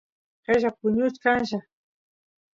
qella puñuchkanlla